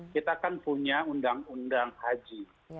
kita kan punya undang undang haji